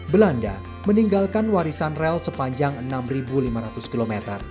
belanda meninggalkan warisan rel sepanjang enam lima ratus km